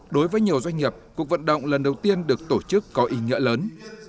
đối với nhiều doanh nghiệp cuộc vận động lần đầu tiên được tổ chức có ý nghĩa lớn